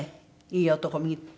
いい男見て。